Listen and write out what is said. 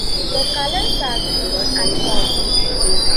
The colors are green and white.